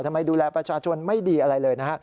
ทำไมดูแลประชาชนไม่ดีอะไรเลย